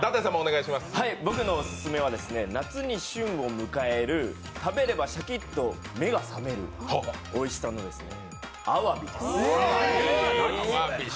僕のオススメは夏に旬を迎える食べればシャキッと目が覚めるおいしさのあわびです。